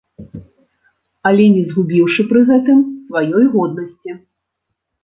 Але не згубіўшы пры гэтым сваёй годнасці.